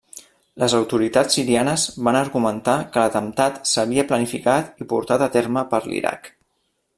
Les autoritats sirianes van argumentar que l'atemptat s'havia planificat i portat a terme per l'Iraq.